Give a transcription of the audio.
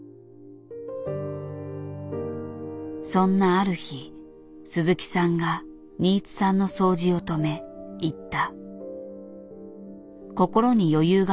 そんなある日鈴木さんが新津さんの掃除を止め言った。